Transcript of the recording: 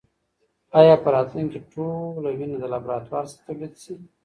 ایا په راتلونکې کې ټول وینه د لابراتوار څخه تولید شي؟